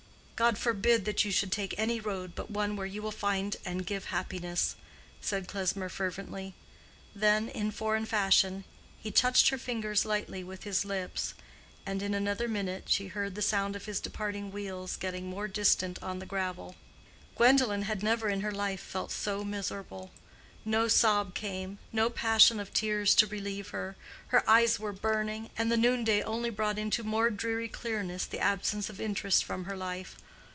"God forbid that you should take any road but one where you will find and give happiness!" said Klesmer, fervently. Then, in foreign fashion, he touched her fingers lightly with his lips, and in another minute she heard the sound of his departing wheels getting more distant on the gravel. Gwendolen had never in her life felt so miserable. No sob came, no passion of tears, to relieve her. Her eyes were burning; and the noonday only brought into more dreary clearness the absence of interest from her life.